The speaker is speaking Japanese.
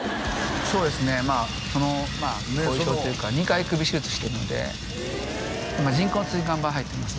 そうですねまあその後遺症というか２回首手術してるので今人工椎間板入ってます